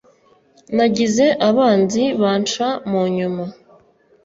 Nagize abanzi banca mu nyuma.